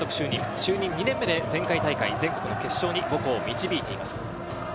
就任２年目で前回大会、全国の決勝に母校を導いています。